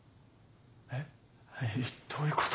えっどういうこと？